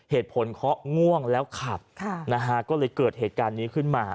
เหตุผลเขาง่วงแล้วขับค่ะนะฮะก็เลยเกิดเหตุการณ์นี้ขึ้นมา